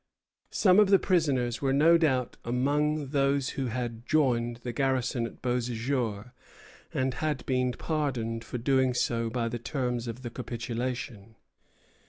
Some of the prisoners were no doubt among those who had joined the garrison at Beauséjour, and had been pardoned for doing so by the terms of the capitulation.